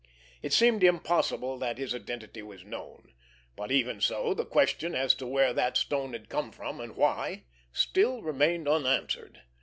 It seemed impossible that his identity was known, but, even so, the question as to where that stone had come from, and why, still remained unanswered.